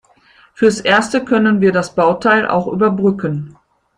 Fürs Erste können wir das Bauteil auch überbrücken.